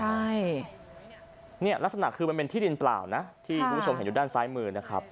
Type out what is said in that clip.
ใช่เนี่ยลักษณะคือมันเป็นที่ดินเปล่านะที่คุณผู้ชมเห็นอยู่ด้านซ้ายมือนะครับ